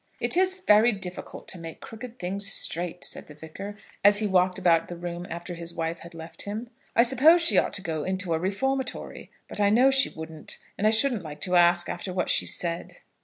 "It is very difficult to make crooked things straight," said the Vicar, as he walked about the room after his wife had left him. "I suppose she ought to go into a reformatory. But I know she wouldn't; and I shouldn't like to ask her after what she said."